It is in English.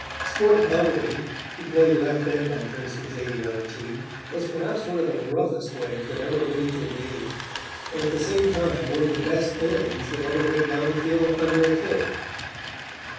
Sport Donnelly, who played left end on Princeton's '89 team, was perhaps one of the roughest players that ever went into a game, and at the same time one of the best ends that ever went down the field under a kick.